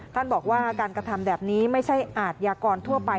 ท่านบอกว่าการกระทำแบบนี้ไม่ใช่อาทยากรทั่วไป